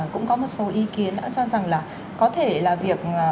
cũng có một số ý kiến cho rằng là có thể là việc